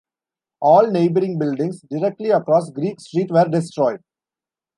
All neighbouring buildings directly across Greek Street were destroyed.